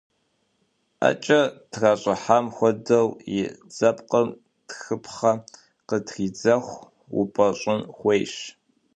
Ӏэкӏэ тращӏыхьам хуэдэу, и дзэпкъым тхыпхъэ къытридзэху упӏэщӏын хуейщ.